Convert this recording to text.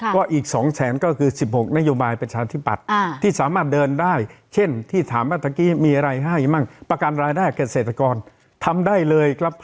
ก็อีก๒แสนก็คือ๑๖นโยบายประชาธิบัติที่สามารถเดินได้เช่นที่ถามว่าตะกี้มีอะไรให้มั่งประกันรายได้เกษตรกรทำได้เลยครับ